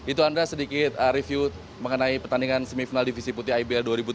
itu anda sedikit review mengenai pertandingan semifinal divisi putih ibl dua ribu tujuh belas